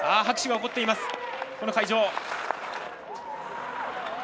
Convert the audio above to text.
拍手が起こっています。